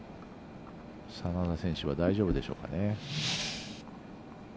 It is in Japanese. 眞田選手は大丈夫でしょうかね。